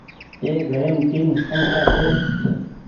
اي گهريم تين پنکآ ڇي۔